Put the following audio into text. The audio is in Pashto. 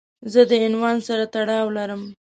زه د عنوان سره تړاو لرم.